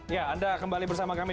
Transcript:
ya anda kembali bersama kami